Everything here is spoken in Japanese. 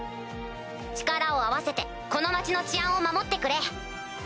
力を合わせてこの町の治安を守ってくれ。